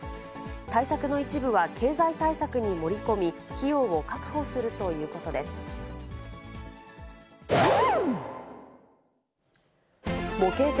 対策の一部は、経済対策に盛り込み、費用を確保するということです。わ！